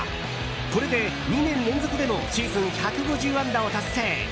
これで２年連続でのシーズン１５０安打を達成。